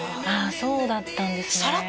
あそうだったんですね